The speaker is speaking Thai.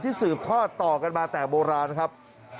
สืบทอดต่อกันมาแต่โบราณครับ